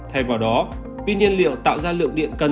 thay vào đó pin nhiên liệu tạo ra lượng điện cần